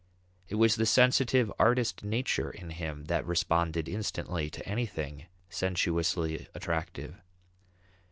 It was the sensitive artist nature in him that responded instantly to anything sensuously attractive.